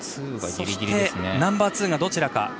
ナンバーツーがどちらか。